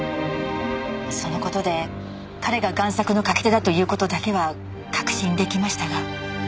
その事で彼が贋作の描き手だという事だけは確信出来ましたが。